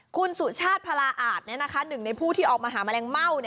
คุณสุชาติพลาอาจหนึ่งในผู้ที่ออกมาหาแมลงเม่า